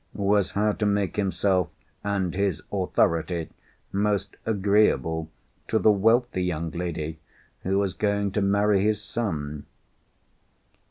—was how to make himself and his authority most agreeable to the wealthy young lady who was going to marry his son.